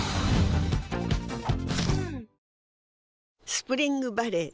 スプリングバレー